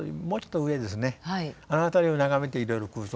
あの辺りを眺めていろいろ空想する。